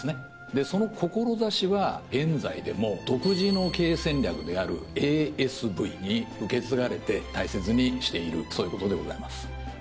でその志は現在でも独自の経営戦略であるＡＳＶに受け継がれて大切にしているそういうことでございます。